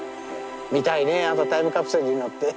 見たいねタイムカプセルに乗って。